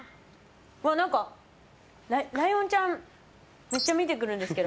何か、ライオンちゃんめっちゃ見てくるんですけど。